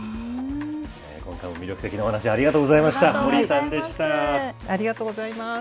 今回も魅力的なお話、ありがとうございました。